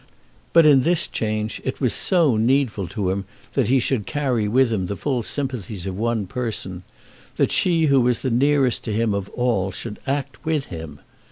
But in this change it was so needful to him that he should carry with him the full sympathies of one person; that she who was the nearest to him of all should act with him!